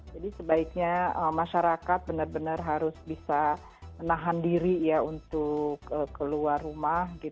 jadi sebaiknya masyarakat benar benar harus bisa menahan diri ya untuk keluar rumah